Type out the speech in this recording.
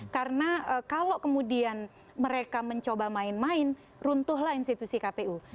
karena kalau kemudian mereka mencoba main main runtuhlah institusi kpu